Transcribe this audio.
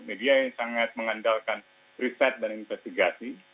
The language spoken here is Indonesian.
media yang sangat mengandalkan riset dan investigasi